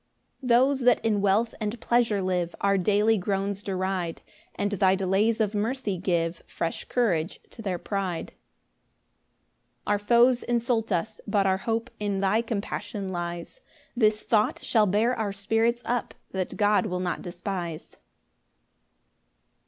4 Those that in wealth and pleasure live Our daily groans deride, And thy delays of mercy give Fresh courage to their pride. 5 Our foes insult us, but our hope In thy compassion lies; This thought shall bear our spirits up, That God will not despise.